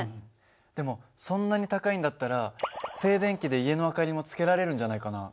でもそんなに高いんだったら静電気で家の明かりもつけられるんじゃないかな？